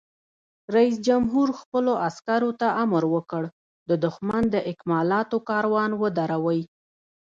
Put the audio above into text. رئیس جمهور خپلو عسکرو ته امر وکړ؛ د دښمن د اکمالاتو کاروان ودروئ!